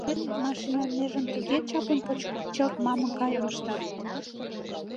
Мыйын машина межым туге чаплын почка, чылт мамык гайым ышта.